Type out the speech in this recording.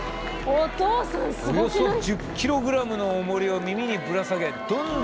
およそ１０ｋｇの重りを耳にぶら下げどんどん距離を稼ぐ。